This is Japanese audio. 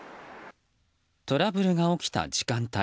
トラブルが起きた時間帯。